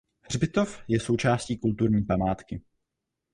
Hřbitov je součástí kulturní památky.